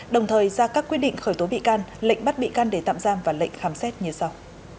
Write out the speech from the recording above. đồng thời ra các quyết định khởi tố bị can lệnh bắt bị can để tạm giam và lệnh khám xét như sau